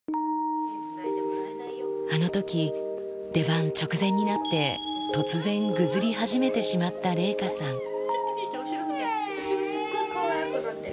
あのとき、出番直前になって、突然ぐずり始めてしまった麗禾さん。